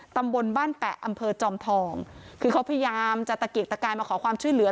ตำบลบ้านแปะอำเภอจอมทองคือเขาพยายามจะตะเกียกตะกายมาขอความช่วยเหลือ